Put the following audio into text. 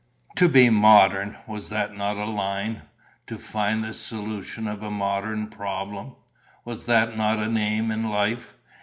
To be modern: was that not a line? To find the solution of a modern problem: was that not an aim in life?